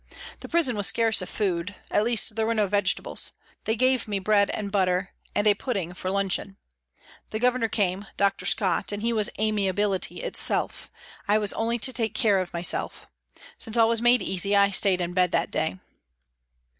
The prison was scarce of food at least, there were no vegetables ; they gave me bread and butter and a pudding for luncheon. The Governor came, Dr. Scott, and he was amiability itself, I was only to take care of myself. Since all was made easy, I stayed in bed that day.